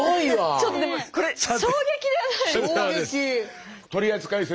ちょっとでもこれ衝撃じゃないですか？